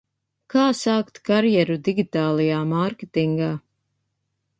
Kā sākt karjeru digitālajā mārketingā?